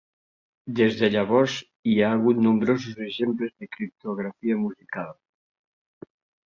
Des de llavors hi ha hagut nombrosos exemples de criptografia musical.